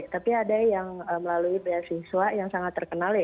tapi ada yang melalui beasiswa yang sangat terkenal ya